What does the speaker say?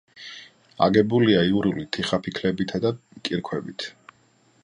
აგებულია იურული თიხაფიქლებითა და კირქვებით.